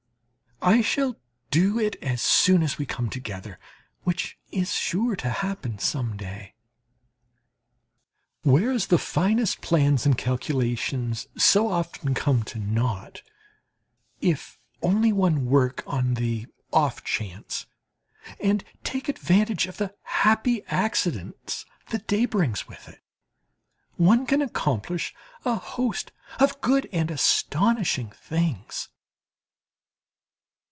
I shall do it as soon as we all come together, which is sure to happen some day. Whereas the finest plans and calculations so often come to naught, if only one work on the off chance and take advantage of the happy accidents the day brings with it, one can accomplish a host of good and astonishing things.